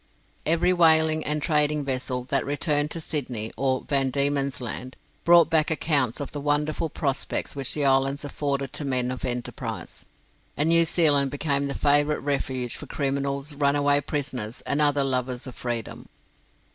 Every whaling and trading vessel that returned to Sydney or Van Diemen's Land brought back accounts of the wonderful prospects which the islands afforded to men of enterprise, and New Zealand became the favourite refuge for criminals, runaway prisoners, and other lovers of freedom.